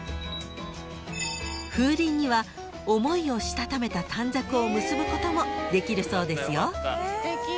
［風鈴には想いをしたためた短冊を結ぶこともできるそうですよ］